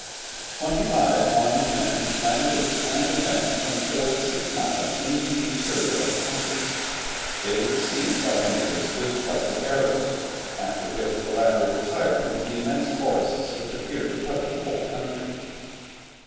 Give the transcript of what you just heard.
Twenty five armed men landed and advanced from four to six miles into the interior of the country. They were received by the natives with flights of arrows, after which the latter retired into the immense forests which appeared to cover the whole country.